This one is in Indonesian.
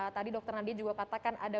tadi dokter nadia juga katakan ada